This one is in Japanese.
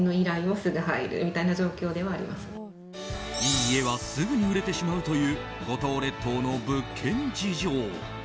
いい家は、すぐに売れてしまうという五島列島の物件事情。